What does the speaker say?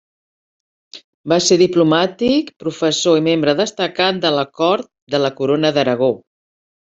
Va ser diplomàtic, professor i membre destacat de la cort de la Corona d'Aragó.